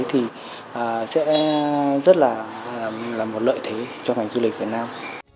thì sẽ rất là một lợi thế cho ngành du lịch việt nam